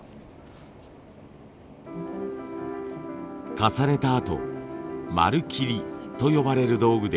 重ねたあと丸キリと呼ばれる道具で線を引きます。